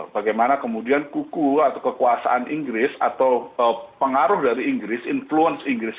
bagaimana kemudian kuku atau kekuasaan inggris atau pengaruh dari inggris influence inggris